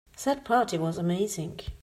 That party was amazing.